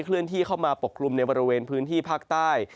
เลื่อนที่เข้ามาปกกลุ่มในบริเวณพื้นที่ภาคใต้